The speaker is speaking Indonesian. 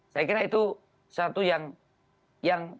saya kira itu satu yang